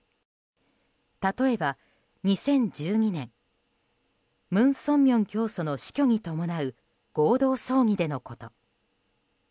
例えば、２０１２年文鮮明教祖の死去に伴う合同葬儀でのこと。